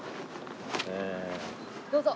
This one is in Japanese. どうぞ。